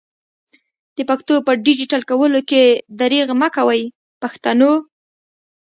د پښتو په ډيجيټل کولو کي درېغ مکوئ پښتنو!